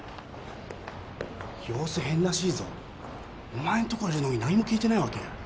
様子ヘンらしいぞお前んとこいるのに何も聞いてねえわけ？